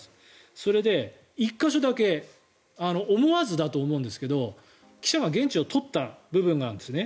それで１か所だけ思わずだと思うんですけど記者が言質を取った部分があるんですね。